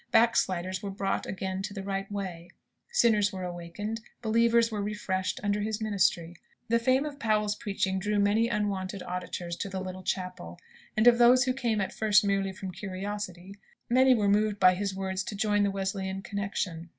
Backsliders were brought again into the right way, sinners were awakened, believers were refreshed, under his ministry. The fame of Powell's preaching drew many unwonted auditors to the little chapel; and of those who came at first merely from curiosity, many were moved by his words to join the Wesleyan Connection.